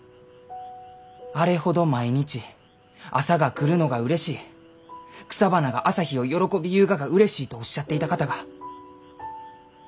あれほど毎日「朝が来るのがうれしい」「草花が朝日を喜びゆうががうれしい」とおっしゃっていた方が。